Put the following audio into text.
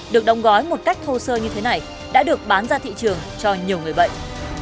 được đóng gói một cách thô sơ như thế này đã được bán ra thị trường cho nhiều người bệnh